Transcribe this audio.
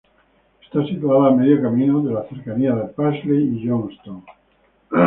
Está situada a medio camino de las cercanas Paisley y Johnstone.